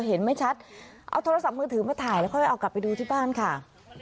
เอาโทรศัพท์มือถือมาถ่ายแล้วก็เอากลับไปดูที่บ้านค่ะ